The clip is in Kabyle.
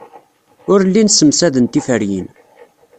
Ur llin ssemsaden tiferyin.